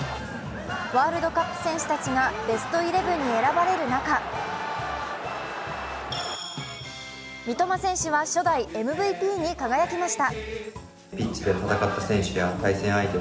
ワールドカップ戦士たちがベストイレブンに選ばれる中三笘選手は初代ＭＶＰに輝きました。